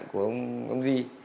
của ông di